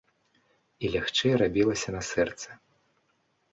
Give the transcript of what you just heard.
І лягчэй рабілася на сэрцы.